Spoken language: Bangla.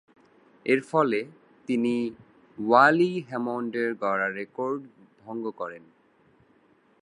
এরফলে তিনি ওয়ালি হ্যামন্ডের গড়া রেকর্ড ভঙ্গ করেন।